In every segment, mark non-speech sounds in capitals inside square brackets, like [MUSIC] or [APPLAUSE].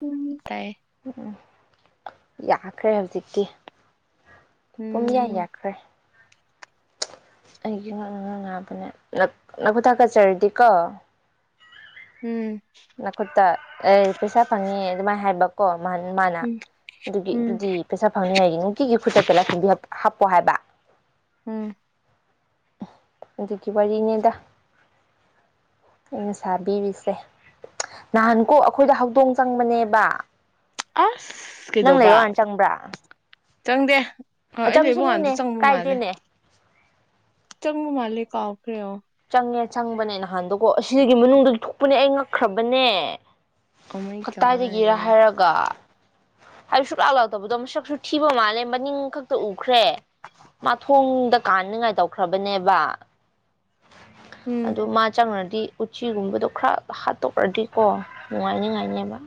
ꯎꯝ ꯇꯥꯏꯌꯦ ꯌꯥꯈ꯭ꯔꯦ ꯍꯧꯖꯤꯛꯇꯤ ꯄꯨꯝꯌꯥ ꯌꯥꯈ꯭ꯔꯦ ꯑꯩꯒꯤ ꯉ [INAUDIBLE] ꯕꯅꯦ ꯅꯈꯨꯠ ꯍꯥꯒꯠꯆꯔꯗꯤꯀꯣ ꯎꯝ ꯅꯈꯨꯠꯇ ꯑꯦ ꯄꯩꯁꯥ ꯐꯪꯉꯦ ꯑꯗꯨꯃꯥꯏꯅ ꯍꯥꯏꯕꯀꯣ ꯃ ꯃꯥꯅ ꯑꯗꯨꯒꯤ ꯑꯗꯨꯗꯤ ꯄꯩꯁꯥ ꯐꯪꯅꯤ ꯍꯥꯏ ꯅꯨꯡꯇꯤꯒꯤ ꯈꯨꯠꯇ ꯇꯤꯂꯥꯏꯈꯨꯝꯕꯤ ꯍꯥꯞ ꯍꯥꯞꯀ ꯍꯥꯏꯕ ꯎꯝ ꯑꯗꯨꯒꯤ ꯋꯥꯔꯤꯅꯦꯗ ꯑꯩꯅ ꯁꯥꯕꯤꯔꯤꯁꯦ ꯅꯍꯥꯟ ꯀꯣ ꯑꯈꯣꯏꯗ ꯍꯧꯗꯣꯡ ꯆꯪꯕꯅꯦꯕ ꯑꯁ ꯀꯩꯗꯧꯕ ꯆꯪꯗꯦ ꯍꯣꯏ ꯑꯩ ꯂꯩꯕ ꯉꯥꯟꯗ ꯆꯪꯕ ꯃꯥꯜꯂꯦ [UNINTELLIGIBLE] ꯀꯥꯎꯈ꯭ꯔꯣ ꯆꯪꯉꯦ ꯆꯪꯕꯅꯦ ꯅꯍꯥꯟꯗꯣꯀꯣ ꯑꯁꯤꯒꯤ ꯃꯅꯨꯡꯗ ꯊꯣꯛꯄꯅꯦ ꯑꯩ ꯉꯛꯈ꯭ꯔꯕꯅꯦ ꯀꯗꯥꯏꯗꯒꯤꯔ ꯍꯥꯏꯔꯒ ꯍꯥꯏꯕꯗꯤ ꯁꯨꯛꯂꯥꯛ ꯂꯥꯛꯇꯕꯗꯣ ꯃꯁꯛꯁꯨ ꯊꯤꯕ ꯃꯥꯜꯂꯦ ꯃꯅꯤꯡ ꯈꯛꯇ ꯎꯈ꯭ꯔꯦ ꯃꯊꯣꯡꯗ ꯀꯥꯟꯅꯉꯥꯏ ꯇꯧꯈ꯭ꯔꯕꯅꯦꯕ ꯑꯗꯨ ꯃꯥ ꯆꯪꯉꯨꯔ ꯗꯤ ꯎꯆꯤꯒꯨꯝꯕꯗꯣ ꯈꯔ ꯍꯥꯠꯇꯣꯛꯑꯗꯤꯀꯣ ꯅꯨꯡꯉꯥꯏꯅꯤꯉꯥꯏꯅꯦꯕ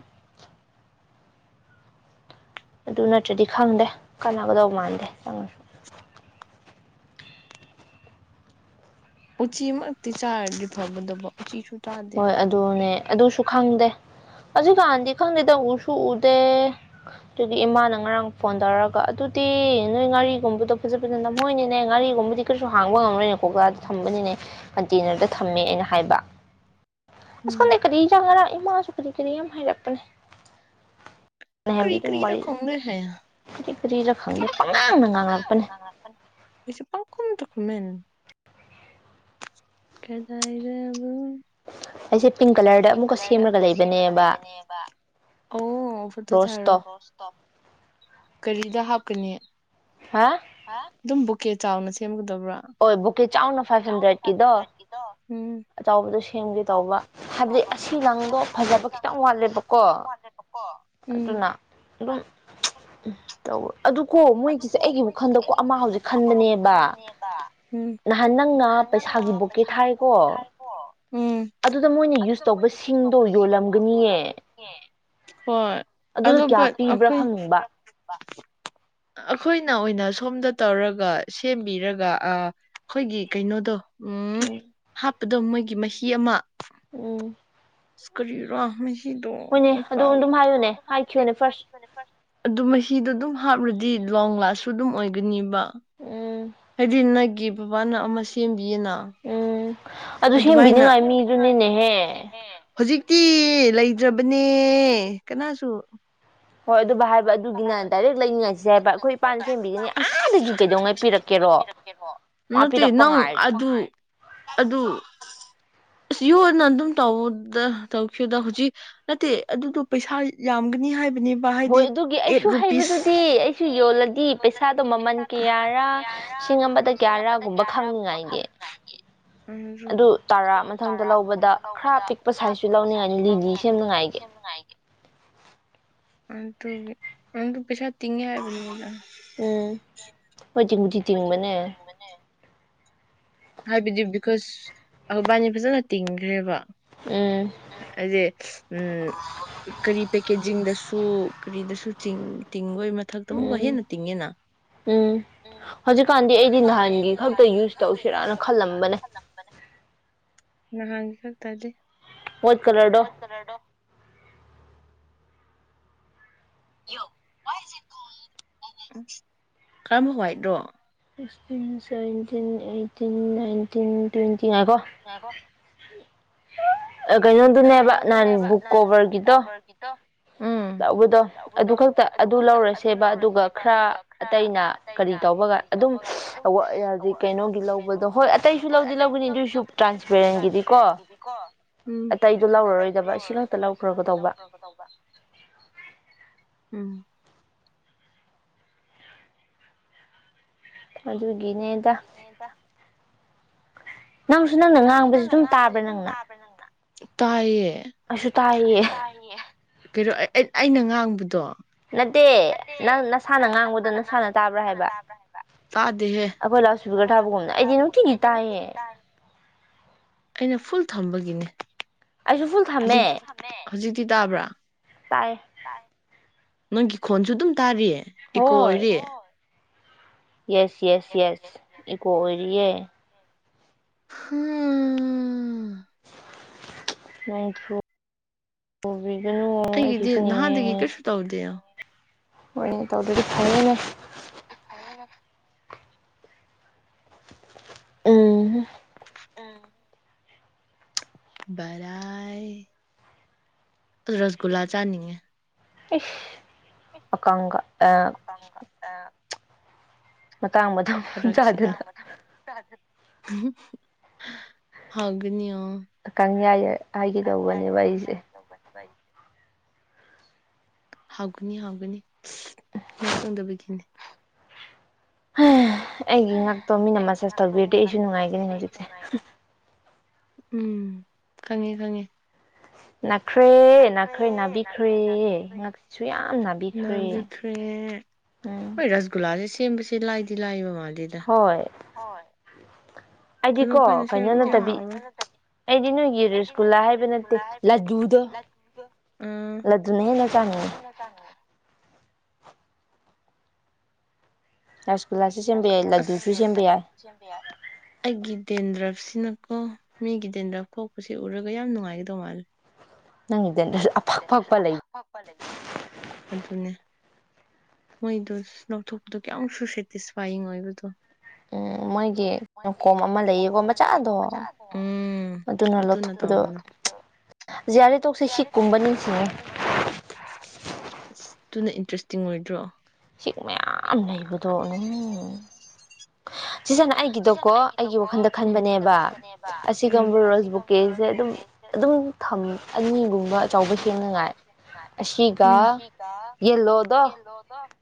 ꯑꯗꯨ ꯅꯠꯇ꯭ꯔꯗꯤ ꯈꯪꯗꯦ ꯀꯥꯟꯅꯒꯗꯧ ꯃꯥꯟꯗꯦ ꯆꯪꯉꯁꯨ ꯎꯆꯤ ꯑꯃ ꯆꯥꯔꯗꯤ ꯐꯕꯗꯨꯕꯣ ꯎꯆꯤꯁꯨ ꯍꯣꯏ ꯑꯗꯨꯅꯦ ꯑꯗꯨꯁꯨ ꯈꯪꯗꯦ ꯍꯧꯖꯤꯛꯀꯥꯟꯗꯤ ꯈꯪꯗꯦꯗ ꯎꯁꯨ ꯎꯗꯦ ꯑꯗꯨꯒꯤ ꯏꯃꯥꯅ ꯉꯔꯥꯡ ꯐꯣꯟ ꯇꯧꯔꯛꯒ ꯑꯗꯨꯗꯤ ꯅꯣꯏ ꯉꯥꯔꯤꯒꯨꯝꯕꯗꯣ ꯐꯖ ꯐꯖꯅ ꯅꯝꯍꯣꯏꯅꯤꯅꯦ ꯉꯥꯔꯤꯒꯨꯝꯕꯗꯤ ꯀꯩꯁꯨ ꯍꯥꯡꯕ ꯉꯝꯔꯣꯏꯅꯦ ꯀꯣꯀꯥꯗ ꯊꯝꯕꯅꯤꯅꯦ ꯀꯟꯇꯦꯅꯔꯗ ꯊꯝꯃꯦ ꯍꯥꯏꯕ ꯑꯁ ꯈꯪꯗꯦ ꯀꯔꯤꯔ ꯉꯔꯥꯡ ꯏꯃꯥ ꯀꯔꯤ ꯀꯅꯤ ꯌꯥꯝ ꯍꯥꯏꯔꯛꯄꯅꯦ [UNINTELLIGIBLE] ꯀꯔꯤꯔ ꯈꯪꯗꯦ ꯄꯪꯉꯥꯡ ꯗ ꯉꯥꯡꯂꯥꯛꯄꯅꯦ [UNINTELLIGIBLE] ꯀꯗꯥꯏꯗꯕꯨ ꯑꯩꯁꯦ ꯄꯤꯡ ꯀꯂꯔꯗ ꯑꯃꯨꯛꯀ ꯁꯦꯝꯃꯒ ꯂꯩꯕꯅꯦꯕ ꯑꯣ ꯐꯣꯠꯇꯣ ꯊꯥꯔꯛꯑꯣ ꯀꯔꯤꯗ ꯍꯥꯞꯀꯅꯤ ꯑꯗꯨꯝ ꯀꯦ ꯆꯥꯎꯅꯁꯦꯝ ꯍꯣꯏ ꯕꯨꯀꯦ ꯆꯥꯎꯅ ꯐꯥꯏꯚ ꯍꯟꯗ꯭ꯔꯦꯠꯀꯤꯗꯣ ꯑꯆꯥꯎꯕꯗꯣ ꯁꯦꯝꯒꯦ ꯇꯧꯕ ꯍꯥꯏꯕꯗꯤ ꯑꯁꯤ ꯂꯪꯗꯣ ꯐꯖꯕ ꯈꯤꯇꯪ ꯋꯥꯠꯂꯦꯕꯀꯣ ꯑꯗꯨꯅ ꯑꯗꯨꯝ ꯑꯗꯨꯀꯣ ꯃꯣꯏꯒꯤꯁꯦ ꯑꯩꯒꯤꯕꯨ ꯈꯟꯗꯀꯣ ꯑꯃ ꯍꯧꯖꯤꯛ ꯈꯟꯕꯅꯦꯕ ꯎꯝ ꯅꯍꯥꯟ ꯅꯪꯅ ꯄꯩꯁꯥꯒꯤ ꯕꯨꯀꯦ ꯊꯥꯏꯀꯣ ꯎꯝ ꯑꯗꯨꯗ ꯃꯣꯏꯅ ꯌꯨꯁ ꯇꯧꯕ ꯁꯤꯡꯗꯣ ꯌꯣꯜꯂꯝꯒꯅꯤꯌꯦ ꯍꯣꯏ ꯑꯗꯣ [UNINTELLIGIBLE] ꯑꯈꯣꯏꯅ ꯑꯣꯏꯅ ꯁꯣꯝꯗ ꯇꯧꯔꯒ ꯁꯦꯝꯕꯤꯔꯒ ꯑꯈꯣꯏꯒꯤ ꯀꯩꯅꯣꯗꯣ ꯔꯨꯝ ꯑꯗꯣ ꯃꯣꯏꯒꯤ ꯃꯍꯤ ꯑꯃ ꯀꯔꯤꯔ ꯃꯍꯤ [UNINTELLIGIBLE] ꯑꯗꯨ ꯃꯍꯤꯗꯣ ꯑꯗꯨꯝ ꯍꯥꯞ ꯗꯤ ꯂꯣꯡ ꯂꯥꯁꯁꯨ ꯑꯗꯨꯝ ꯑꯣꯏꯒꯅꯤꯕ ꯑꯗꯤ ꯏꯟꯅꯒꯤ ꯕꯕꯥꯅ ꯑꯃ ꯁꯦꯝ ꯑꯅ ꯑꯗꯨꯃꯥꯏꯅꯉꯥꯏ ꯍꯧꯖꯤꯛꯇꯤ ꯂꯩꯗ꯭ꯔꯕꯅꯦ ꯀꯅꯥꯁꯨ ꯍꯣꯏ ꯑꯗꯨ ꯍꯥꯏꯕ ꯑꯗꯨꯒꯤꯅ ꯗꯥꯏꯔꯦꯛ ꯂꯩꯅꯤꯡꯉꯥꯏꯁꯦ ꯑꯁ ꯅꯠꯇꯦ ꯅꯪ ꯑꯗꯨ ꯑꯗꯨ ꯑꯁ ꯌꯣꯅ ꯑꯗꯨꯝ ꯇꯗ ꯇꯧꯈꯤꯕꯗ ꯍꯧꯖꯤꯛ ꯅꯠꯇꯦ ꯑꯗꯨꯗꯣ ꯄꯩꯁꯥ ꯌꯥꯝꯒꯅꯤ ꯍꯥꯏꯕ ꯍꯣꯏ ꯑꯗꯨꯒꯤ ꯑꯩꯁꯨ ꯍꯩꯕꯗꯨꯗꯤ ꯑꯩꯁꯨ ꯌꯣꯜꯂꯗꯤ ꯄꯩꯁꯥꯗꯣ ꯃꯃꯜ ꯀꯌꯥꯔꯥꯁꯤꯡ ꯑꯃꯗ ꯀꯌꯥꯔꯥꯒꯨꯝꯕ ꯈꯪꯅꯤꯡꯉꯥꯏꯒꯤ ꯑꯗꯨ ꯇꯔꯥ ꯃꯊꯪꯗ ꯂꯧꯕꯗ ꯈꯔ ꯑꯄꯤꯛꯄ ꯁꯥꯏꯖꯁꯨ ꯂꯧꯅꯤꯡꯉꯥꯏ ꯂꯤꯂꯤ ꯁꯦꯝꯅꯤꯉꯥꯏꯒꯤ ꯑꯇ ꯑꯇ ꯄꯦꯁꯥ ꯇꯉ ꯍꯥꯏꯕꯅꯤ ꯎꯝ ꯍꯣꯏꯗꯤꯤꯡꯗꯤꯤꯡ ꯆꯤꯡꯕꯅꯦ ꯍꯥꯏꯕꯗꯤ ꯕꯤꯀꯣꯁ ꯑꯕꯥꯅꯤ ꯐꯖꯅ ꯇꯤꯡꯈ꯭ꯔꯦꯕ ꯑꯗ ꯎꯝ ꯀꯔꯤ ꯄꯦꯀꯦꯖꯤꯡꯗ ꯁ ꯀꯔꯤꯗꯁꯨꯤꯡ ꯃꯊꯛꯇ ꯑꯃꯨꯛꯀ ꯍꯦꯟꯅ ꯇꯤꯡꯉꯦꯅ ꯎ ꯍꯧꯍ ꯅꯍꯥꯟꯒꯤ ꯈꯛꯇꯗꯤ ꯋꯥꯠ ꯀꯂꯔꯗꯣ ꯀꯔꯝꯕ ꯍꯋꯥꯏꯠ꯭ꯔꯣ fifteen seventeen eighteen nineteen twenty ꯆꯤꯡꯉꯥꯏꯀꯣ ꯀꯩꯅꯣꯗꯨꯅꯦꯕ ꯅꯍꯥꯟ ꯕꯨꯛ ꯀꯣꯕꯔꯒꯤꯗꯣ ꯇꯧꯕꯗꯣ ꯑꯗꯨ ꯈꯛꯇ ꯑꯗꯨ ꯂꯧꯔꯁꯦꯕ ꯑꯗꯨꯒ ꯈꯔ ꯑꯇꯩꯅ ꯀꯔꯤ ꯇꯧꯕꯒ ꯑꯗꯨꯝ ꯍꯧꯖꯤꯛ ꯀꯩꯅꯣꯒꯤ ꯂꯧꯕꯗꯣ ꯍꯣꯏ ꯑꯇꯩꯁꯨ ꯂꯧꯗꯤ ꯂꯧꯒꯅꯤ ꯑꯗꯨꯏꯁꯨ ꯇ꯭ꯔꯥꯟꯁꯄꯦꯔꯦꯟꯒꯤꯗꯤꯀꯣ ꯑꯇꯩ ꯑꯇꯩꯗꯣ ꯂꯧꯔꯔꯣꯏꯗꯕ ꯁꯤ ꯑꯇ ꯂꯧꯈ꯭ꯔꯒ ꯇꯧꯕ ꯎꯝ ꯑꯗꯨꯒꯤꯅꯦꯗ ꯅꯪꯁꯨ ꯅꯪꯅ ꯉꯥꯡꯕꯁꯨ ꯑꯗꯨꯝ ꯇꯥꯕ꯭ꯔꯥ ꯅꯪꯅ ꯇꯥꯏꯌꯦ [UNINTELLIGIBLE] ꯉꯥꯡꯕꯗꯣ ꯅꯠꯇꯦ ꯅꯪ ꯅꯁꯥꯅ ꯉꯥꯡꯕꯗꯣ ꯅꯁꯥꯅ ꯇꯥꯕ꯭ꯔ ꯍꯥꯏꯕ ꯑꯩꯈꯣꯏ ꯂꯥꯎꯗ ꯏꯁꯄꯤꯀꯔ ꯊꯥꯕꯒꯨꯝꯅ ꯑꯩꯗꯤ ꯅꯊꯤꯒꯤ ꯇꯌꯦꯦ ꯊꯝꯕꯒꯤꯅꯦ ꯑꯩꯁꯨ ꯐꯨꯜ ꯊꯝꯃꯦ ꯍꯧꯖꯤꯛꯇꯤ ꯇꯥꯕ꯭ꯔ ꯅꯪꯒꯤ ꯈꯣꯟꯁꯨ ꯑꯗꯨꯝ ꯇꯥꯔꯤ ꯏꯀꯣ ꯑꯣꯏꯔꯤ ꯌꯦꯁ-ꯌꯦꯁ-ꯌꯦꯁ ꯏ ꯀꯣꯔꯤꯌꯦ ꯍꯥ ꯅꯪꯁꯨ ꯎꯨ ꯑꯩꯒꯤꯗꯤ ꯅꯍꯥꯟꯗꯒꯤ ꯀꯩꯁꯨ ꯇꯧꯗꯦ ꯅꯣꯏꯅ ꯇꯧꯗ꯭ꯔꯤꯗꯨ ꯐꯔꯦꯗꯥ ꯑꯅꯤꯔꯛ ꯎꯨꯝ ꯎꯨꯝ ꯕꯔꯥꯏ ꯔꯁꯒꯨꯂꯥ ꯆꯥꯅꯤꯌꯦ ꯏꯁ ꯑꯀꯥꯡꯒ ꯑꯥ ꯑꯥ ꯃꯇꯥꯡ ꯃꯏꯝ ꯆꯥꯗꯅ ꯎꯨꯝꯍ ꯍ ꯍꯒꯅꯤꯌꯥ ꯑꯀꯪꯌꯥꯏ ꯍꯥꯏꯒꯗꯧꯕꯅꯦꯕ ꯑꯩꯁꯦ ꯍꯥꯎꯒꯅꯤ ꯍꯥꯎꯒꯅꯤ ꯁ ꯅꯣꯏ ꯈꯪꯗꯕꯒꯤꯅꯤ ꯍꯥ ꯑꯩꯒꯤ ꯉꯛꯇꯣ ꯃꯤꯅ ꯃꯥꯁꯦꯁ ꯇꯧꯕꯤꯔꯗꯤ ꯑꯩꯁꯨ ꯅꯨꯡꯉꯥꯏꯒꯅꯤ ꯍꯧꯖꯤꯛꯁꯦ ꯍꯥ ꯎꯝ ꯈꯪꯉꯦ-ꯈꯪꯉꯦ ꯅꯥꯈ꯭ꯔꯦ ꯅꯥꯈ꯭ꯔꯦ ꯅꯥꯕꯤꯈ꯭ꯔꯦ ꯉꯛꯁꯨ ꯌꯥꯝ ꯅꯥꯕꯤꯈ꯭ꯔꯦ ꯎꯨꯝ ꯇꯦꯝꯕꯁꯤ ꯂꯥꯏꯗꯤ ꯂꯥꯏꯕ ꯃꯥꯜ ꯗꯦꯗ ꯍꯣꯏ ꯑ ꯑꯩꯈꯣꯏꯅꯦꯡ ꯍ ꯑꯩꯗꯤ ꯅꯣꯏꯒꯤ ꯔꯁꯒꯨꯜꯂꯥ ꯍꯥꯏꯕ ꯅꯠꯇꯦ ꯂꯗꯣ ꯎꯝ ꯂꯅ ꯍꯦꯟꯅ ꯆꯥꯉ ꯑꯁ ꯔꯥꯁ ꯒꯨꯂꯥꯁꯨ ꯁꯦꯝꯕ ꯌꯥꯏ ꯂꯥꯗꯨꯁꯨ ꯁꯦꯝꯕ ꯌꯥꯏ ꯑꯩꯒꯤꯗꯦꯟꯗ꯭ꯔ ꯁꯤꯅꯀꯣ ꯃꯤꯒꯤ ꯗꯦꯟꯗ꯭ꯔꯞ ꯈꯣꯛꯄꯁꯤ ꯎꯔꯒ ꯌꯥꯝ ꯅꯨꯡꯉꯥꯏꯒꯗꯧꯕ ꯃꯥꯜꯂꯤ ꯅꯪ ꯑꯗꯨ ꯑꯐꯛ ꯐꯛꯄ ꯂꯩꯕ ꯑꯗꯨꯅꯦ ꯃꯣꯏꯗꯣ ꯂꯧꯊꯣꯛꯄꯗꯣ ꯀꯌꯥꯃꯨꯛꯁꯨ ꯁꯦꯇꯤꯁꯐꯥꯏꯌꯤꯡ ꯑꯣꯏꯕꯗꯣ ꯎꯝ ꯃꯣꯏꯒꯤ ꯀꯣꯝ ꯑꯃ ꯂꯩꯌꯦꯀꯣ ꯃꯆꯥꯗꯣ ꯑꯗꯨꯅ ꯂꯧꯊꯣꯛꯄꯗꯣ ꯌꯥ ꯌꯥꯔꯦ ꯇꫭꯛꯁꯤ ꯌꯤꯛꯀꯨꯝꯕ ꯅꯤꯡꯁꯤꯡꯉꯦ ꯑꯗꯨꯨꯅ ꯏꯟꯇꯔꯦꯁꯇꯤꯡ ꯑꯣꯏꯗ꯭ꯔꯣ ꯁꯤ ꯃꯌꯥꯝ ꯂꯩꯕꯗꯣ ꯑꯗꯨꯝ ꯁꯤꯁꯤꯅ ꯑꯩꯒꯤꯗꯣꯀꯣ ꯑꯩꯒꯤ ꯋꯥꯈꯟꯗ ꯈꯟꯕꯅꯦꯕ ꯑꯁꯤꯒꯕ ꯔꯣꯁ ꯕꯨꯛꯀꯦꯁꯦ ꯑꯗꯨꯝ ꯑꯗꯨꯝ ꯑꯅꯤꯒꯨꯝꯕ ꯑꯆꯧꯕ ꯊꯦꯡꯅꯉꯥꯏ ꯑꯁꯤꯒ ꯌꯦꯜꯂꯣꯗꯣ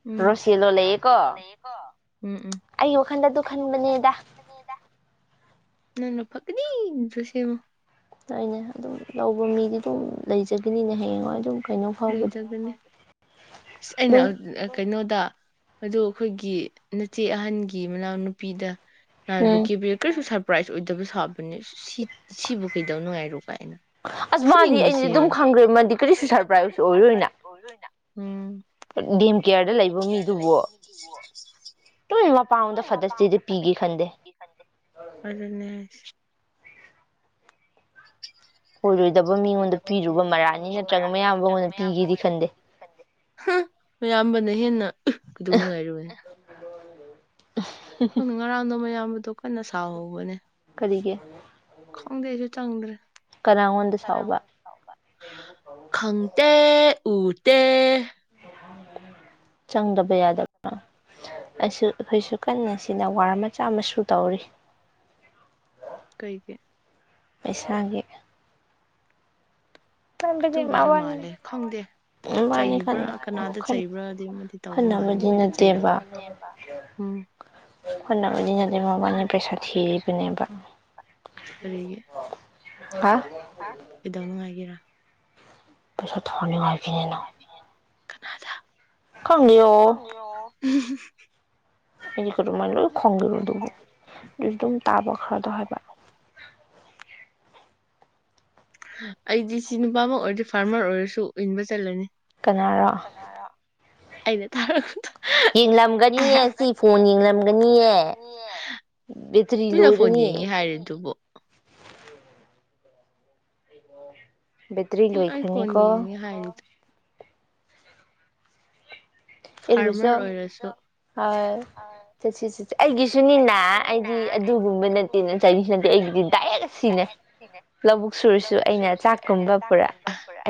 ꯎꯝ ꯔꫭꯁ ꯌꯦꯂꯣ ꯂꯩꯌꯦꯀꫭ ꯑꯎ ꯋꯥꯈꯟꯗꯗꯨ ꯑꯩ ꯋꯥꯈꯟꯗꯁꯨ ꯈꯟꯕꯅꯦꯗ ꯅꫭꯏꯅ ꯐꯛꯅꯤꯗꯨꯁꯦꯐ ꯇꯏꯅꯦ ꯑꯗꯨꯝ ꯂꯧꯕ ꯃꯤꯗꯤ ꯑꯗꯨꯝ ꯂꯩꯖꯒꯅꯤꯅ ꯍꯌꯦꯡ ꯋꯥꯏ ꯑꯗꯨꯝ ꯀꯩꯅꯣ ꯂꯩꯖꯒꯅꯦ ꯑꯁ ꯑꯩꯅ ꯀꯩꯅꯣꯗ ꯑꯗꯨ ꯑꯩꯈꯣꯏꯒꯤ ꯅꯆꯦ ꯑꯍꯟꯒꯤ ꯃꯅꯥꯎ ꯅꯨꯄꯤꯗ ꯅ ꯕꯨꯛꯀꯦ [UNINTELLIGIBLE] ꯄ꯭ꯔꯥꯏꯖ ꯑꯣꯏꯗꯕ ꯁꯥꯕꯅꯦ ꯁꯤ ꯁꯤꯕꯨ ꯀꯩꯗꯧ ꯅꯨꯡꯉꯥꯏꯔꯨ ꯀꯥꯏꯅ ꯐꯨꯅꯤꯡꯕꯁꯦ ꯑꯩꯅ ꯑꯗꯨꯝ ꯈꯪꯈ꯭ꯔꯦꯄ ꯑꯣꯏꯔꫭꯏꯅ ꯎꯝ [UNINTELLIGIBLE] [UNINTELLIGIBLE] ꯉꯣꯟꯗ ꯐꯤ ꯃꯔꯥꯅꯤ ꯅꯠꯇ꯭ꯔꯒ ꯃꯌꯥꯝꯕꯉꯣꯟꯗ ꯐꯤꯗꯤꯟꯗꯦꯌꯥꯝ ꯅ ꯍꯦꯟꯅ ꯀꯩꯗꯧ ꯅꯨꯡꯉꯥꯏꯔꯨꯔꯅꯦ ꯈꯪ ꯉꯔꯥꯡꯗꯣ ꯃꯌꯥꯝ ꯑꯗꯨ ꯀꯟꯅ ꯁꯥꯎꯍꯧꯕꯅꯦ ꯀꯔꯤꯒꫭ ꯈꯪꯗꯦ ꯑꯩꯁꯨ ꯆꯪꯗ꯭ꯔꯦ [UNINTELLIGIBLE] ꯈꯪꯇꯦ ꯎ ꯇꯦ ꯆꯪꯗꯕ ꯌꯥꯗꯕ ꯑꯁꯨ ꯑꯩꯈꯣꯏꯁꯨ ꯀꯟꯅ ꯁꯤꯅ ꯋꯥꯔ ꯃꯆꯥ ꯑꯃꯁꯨ ꯇꯧꯔꯤ ꯀꯩꯒꯤꯦ ꯄꯩꯁꯥꯒꯤ ꯈꯕꯗꯤ ꯃꯅꯤ ꯃꯕꯥꯅꯤ ꯈꯠꯅꯕꯗꯤ ꯅꯠꯇꯦꯕ ꯈꯣꯠꯅꯕꯗꯤ ꯅꯠꯇꯦ ꯃꯕꯥꯅꯤ ꯄꯩꯁꯥ ꯊꯤꯔꯤꯕꯅꯦꯕ ꯍꯥ ꯀꯗꯧ ꯅꯨꯡꯉꯥꯏꯒꯦꯔꯥ ꯄꯁꯥꯗ ꯊꯅꯤꯉꯥꯏꯕꯤꯅꯤꯅꯣ ꯈꯪꯅꯤ ꯑꯣ ꯎ ꯗꯤ ꯀ ꯃꯥꯏ ꯂꯣꯏ ꯈꯪꯒꯦꯔꯣꯗꯕ ꯑꯗꯨꯝ ꯇꯥꯕꯈꯔꯗ ꯍꯥꯏꯕ ꯑꯩꯗꯤ ꯁꯤ ꯅꯨꯄꯥ ꯑꯃ ꯑꯣꯏꯔꯗꯤ ꯐꯥꯔꯃꯔ ꯑꯣꯏꯔꯁꯨ ꯏꯟꯕ ꯆꯠꯂꯅꯤ ꯀꯅꯥꯔꯣ ꯑꯅꯦ ꯊꯥꯔ ꯌꯦꯡꯂꯒꯅꯤꯑ ꯁꯤ ꯐꯣꯟ ꯌꯦꯡꯂꯒꯅꯤꯑ ꯕꯦꯇ꯭ꯔꯤ ꯂꯣꯏꯔꯅꯤꯌꯦ ꯕꯦꯇ꯭ꯔꯤ ꯂꯣꯏꯈꯅꯤꯀꯣ ꯑꯦꯔꯕꯨꯁꯨꯣ ꯍ ꯆꯠꯁꯤ ꯆ ꯑꯩꯒꯤꯁꯨꯅꯤꯅ ꯑꯩꯗꯤ ꯑꯗꯨꯒꯨꯝꯕ ꯅꯠꯇꯦ ꯑꯩꯒꯤꯗꯤ ꯗꯥꯏꯁꯤꯅꯦ ꯂꯧꯕꯨꯛ ꯁꯨꯔꯁꯨ ꯑꯩꯅ ꯇꯥꯛꯐꯝ ꯂꯄ꯭ꯔꯥ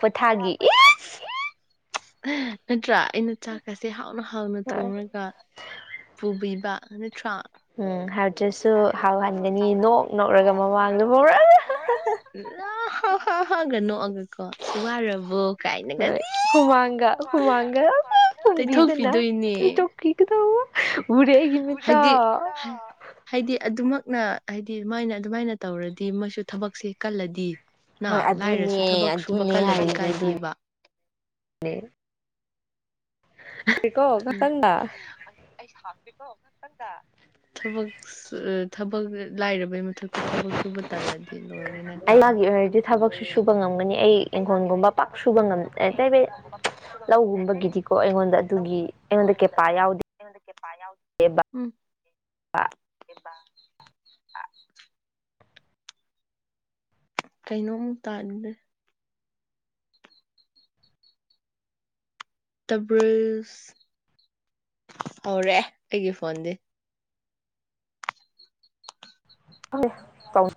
ꯍꯥꯏꯗꯤ ꯑꯋꯥꯄ ꯊꯥꯈꯤ ꯑꯦ ꯅꯠꯇ꯭ꯔꯥ ꯑꯩꯅ ꯆꯥꯛ ꯑꯁꯦ ꯍꯥꯎꯅ ꯍꯥꯎꯅ ꯊꯣꯡꯉꯒ ꯄꯨꯕꯤꯕ ꯑꯠꯇ꯭ꯔꯥ ꯎꯝ ꯍꯥꯏ ꯑꯗꯨꯖꯤꯁꯨ ꯍꯥꯟꯅꯒꯅꯤ ꯅꯣꯛ ꯅꯧꯔꯒ ꯃꯃꯥꯗ ꯍꯧꯔꯛꯑ ꯍ ꯍ ꯍꯥꯥ ꯒꯟꯅꯣꯒ ꯍ ꯍꯨꯃꯥꯡꯒ ꯍꯨꯃꯥꯡꯒ ꯍꯨꯝꯕꯤꯗꯅ ꯆꯧ ꯀꯗ ꯎꯔꯦꯒꯤ ꯃ ꯇ ꯑꯗꯨꯃꯛꯅ ꯍꯥꯏꯗꯤ ꯃꯥꯏꯅ ꯑꯗꯨꯃꯥꯏꯅ ꯇꯧꯔꯗꯤ ꯃꯣꯏꯁꯨ ꯊꯕꯛꯁꯦ ꯀꯜꯂꯗꯤ ꯍꯣꯏ ꯑꯗꯨꯅꯦ ꯑꯗꯨꯅꯦ ꯍꯥꯏꯔꯤꯅꯦꯦ ꯑꯗꯨ ꯀꯣ ꯈꯇꯪꯗ ꯔꯕ ꯁ ꯃꯊꯛꯛꯇ ꯊꯕꯣ ꯁꯨꯕ ꯇꯥꯗꯤ ꯂꯣ ꯑꯦꯔꯦꯅꯥ ꯇ ꯑꯩ ꯃꯥꯒꯤ ꯑꯣꯏꯅꯔꯗꯤ ꯊꯕꯛꯁꯦ ꯁꯨꯕ ꯉꯝꯃꯅꯤ ꯑꯩ ꯏꯤꯡꯈꯣꯟꯕ ꯃ ꯁꯨꯕ ꯉꯝꯅꯤꯉꯣꯟ ꯌꯥꯎ [UNINTELLIGIBLE] ꯀꯩꯅꯣꯃꯨ ꯇꯥꯟꯗꯦ ꯇꯥꯕ꯭ꯔꯣ ꯁꯁ ꯍꯧꯔꯦ ꯑꯩꯒꯤ ꯐꯣꯟꯗꯤ ꯐꯪꯉꯦ ꯇꯧꯅꯨ